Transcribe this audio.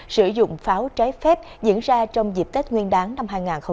sử dụng pháo trái phép diễn ra trong dịp tết nguyên đáng năm hai nghìn hai mươi bốn